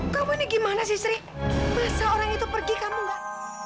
kamu ini gimana sih sri masa orang itu pergi kamu gak